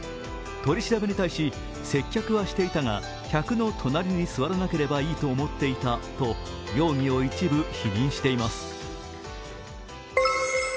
取り調べに対し、接客はしていたが客の隣に座らなければいいと思っていたと容疑を一部否認しています。